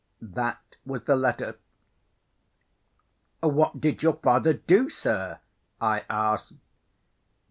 That was the letter." "What did your father do, sir?" I asked.